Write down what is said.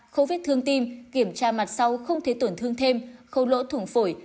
khâu vết thương tim kiểm tra mặt sau không thấy tổn thương thêm khâu lỗ thủng phổi